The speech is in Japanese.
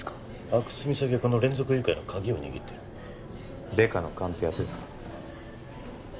阿久津実咲はこの連続誘拐の鍵を握ってる・デカの勘ってやつですか？